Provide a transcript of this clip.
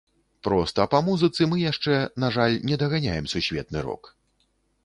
Проста па музыцы мы яшчэ, на жаль, не даганяем сусветны рок.